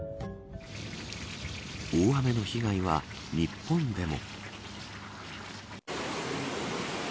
大雨の被害は日本でも。